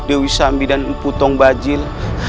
dewi sambi dan putong bajil